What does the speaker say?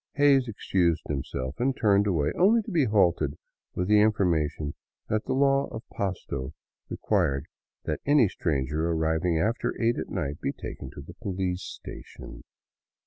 Hays excused himself and turned away, only to be halted with the information that the law of Pasto required that any stranger arriving after eight at night be taken to the police station.